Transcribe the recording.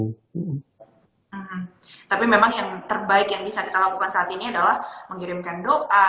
hmm tapi memang yang terbaik yang bisa kita lakukan saat ini adalah mengirimkan doa